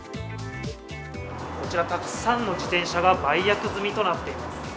こちら、たくさんの自転車が売約済みとなっています。